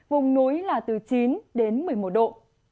vùng núi là từ chín đến một mươi một độ